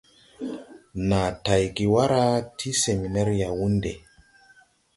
Nàa tayge wara ti seminɛr Yawunde.